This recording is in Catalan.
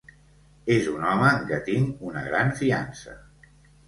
És un home en qui tinc una gran fiança.